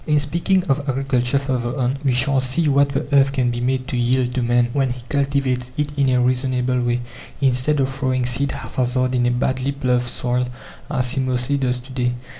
In speaking of agriculture further on, we shall see what the earth can be made to yield to man when he cultivates it in a reasonable way, instead of throwing seed haphazard in a badly ploughed soil as he mostly does to day.